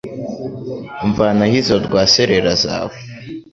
mvanaho izo rwaserera zawe